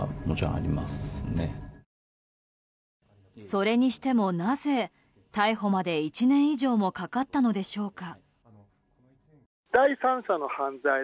それにしてもなぜ、逮捕まで１年以上もかかったのでしょうか。